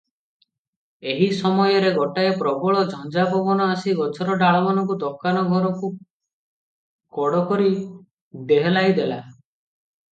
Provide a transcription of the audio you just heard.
ଏହି ସମୟରେ ଗୋଟାଏ ପ୍ରବଳ ଝଞ୍ଜା ପବନ ଆସି ଗଛର ଡାଳମାନଙ୍କୁ ଦୋକାନ ଘରକୁ କଡ଼କରି ଦେହଲାଇଦେଲା ।